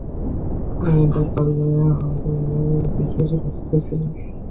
এই ব্যাপার লইয়া হরলাল বিশেষ ব্যস্ত ছিল।